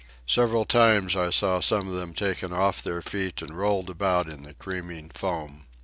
Several times I saw some of them taken off their feet and rolled about in the creaming foam.